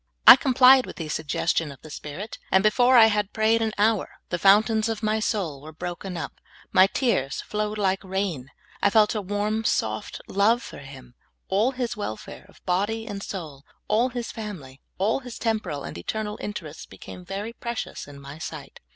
I complied with the sug gestion of the Spirit, and before I had pra3'ed an hour the fountains of my soul were broken up, my tears flowed like rain ; I felt a warm, soft love for him ; all his welfare of body and soul, all his family, all his tem poral and eternal interests, became very precious in my sight.